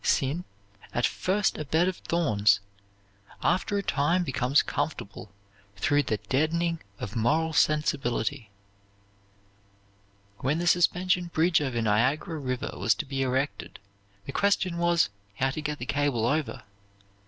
Sin, at first a bed of thorns, after a time becomes comfortable through the deadening of moral sensibility. When the suspension bridge over Niagara River was to be erected, the question was, how to get the cable over.